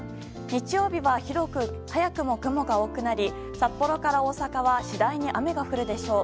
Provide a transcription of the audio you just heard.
日曜日は早くも雲が多くなり札幌から大阪は次第に雨が降るでしょう。